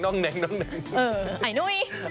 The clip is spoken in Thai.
เออไอ้นุ้ย